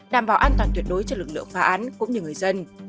đảm bảo an toàn tuyệt đối cho lực lượng phá án cũng như người dân